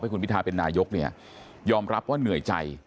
คุณพิทาเป็นนายกเนี่ยยอมรับว่าเหนื่อยใจ